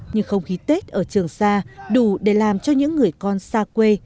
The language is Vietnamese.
nhưng không khí tết ở trường sa đủ để làm cho những người con xa quê